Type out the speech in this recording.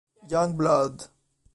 Young Blood